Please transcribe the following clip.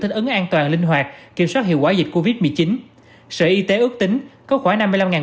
thích ứng an toàn linh hoạt kiểm soát hiệu quả dịch covid một mươi chín sở y tế ước tính có khoảng